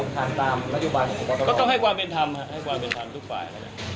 หลงทางตามรัฐบาลประวัติศักดิ์ต้องครับขอบความเวททำทุกฝั่ง